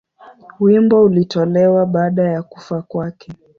Wimbo ulitolewa baada ya kufa kwake.